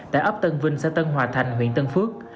tại ấp tân vinh xã tân hòa thành huyện tân phước